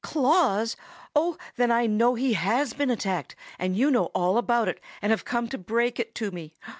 "Claws? Oh! then I know he has been attacked, and you know all about it, and have come to break it to me.